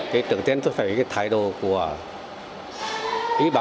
thì đầu tiên tôi phải biết cái thái độ của bệnh nhân